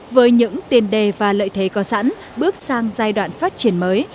với những tiền đề và lợi thế có sẵn bước sang giai đoạn phát triển mới